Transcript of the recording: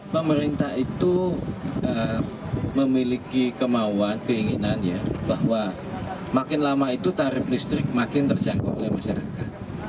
pemerintah itu memiliki kemauan keinginan ya bahwa makin lama itu tarif listrik makin terjangkau oleh masyarakat